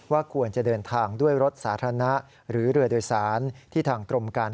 ควรจะเดินทางด้วยรถสาธารณะหรือเรือโดยสารที่ทางกรมการ